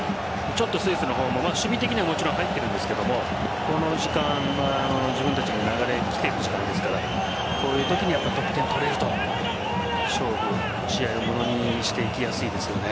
ちょっとスイスの方も守備的にはもちろん入っているんですけどこの時間は自分たちの流れ来ている時間ですからこういうときに得点取れると勝負、試合をものにしていきやすいですよね。